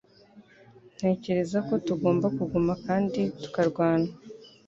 Ntekereza ko tugomba kuguma kandi tukarwana